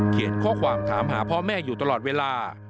เขียนข้อความถามหาพ่อแม่อยู่ตลอดเวลา